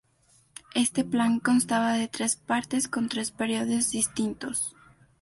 Este plan constaba de tres partes con tres períodos distinto.